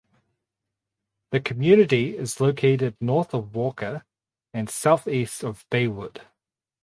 The community is located north of Walker and southeast of Baywood.